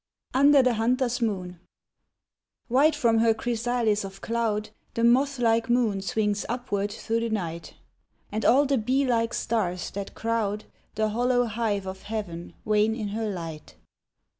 UNDER THE HUNTER'S MOON White from her chrysalis of cloud, The moth like moon swings upward through the night; And all the bee like stars that crowd The hollow hive of heav'n wane in her light.